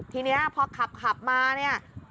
ทีนี้พอขับมาเนี่ย